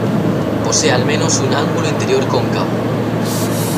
Posee al menos un ángulo interior cóncavo.